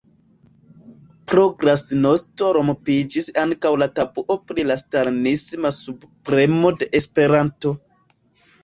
pro “glasnosto” rompiĝis ankaŭ la tabuo pri la stalinisma subpremo de Esperanto.